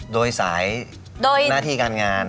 โดยสายโดยหน้าที่การงาน